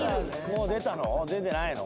もう出たの？